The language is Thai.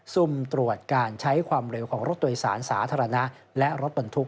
ซุ่มตรวจการใช้ความเร็วของรถโดยสารสาธารณะและรถบรรทุก